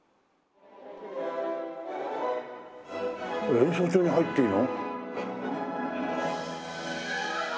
練習中に入っていいの？